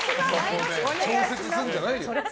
調節するんじゃないよ。